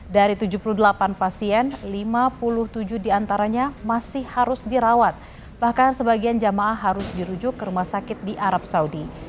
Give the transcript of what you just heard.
dari tujuh puluh delapan pasien lima puluh tujuh diantaranya masih harus dirawat bahkan sebagian jamaah harus dirujuk ke rumah sakit di arab saudi